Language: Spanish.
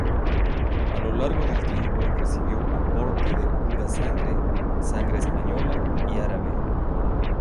A lo largo del tiempo recibió aporte de purasangre, sangre española y árabe.